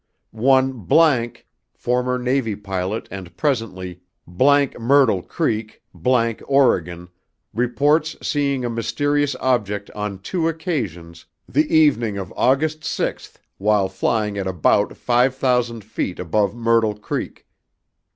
ONE ____ FORMER NAVY PILOT AND PRESENTLY ____ MYRTLE CREEK, ____ OREGON, REPORTS SEEING A MYSTERIOUS OBJECT ON TWO OCCASIONS THE EVENING OF AUGUST SIXTH WHILE FLYING AT ABOUT FIVE THOUSAND FEET ABOVE MYRTLE CREEK.